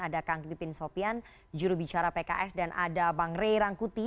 ada kang pipin sopian jurubicara pks dan ada bang ray rangkuti